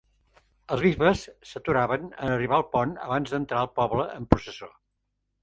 Els bisbes s'aturaven en arribar al pont abans d'entrar al poble en processó.